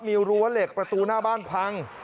มีรั้วเหล็กประตูหน้าบ้านพัง